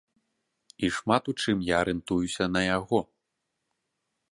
І шмат у чым я арыентуюся на яго.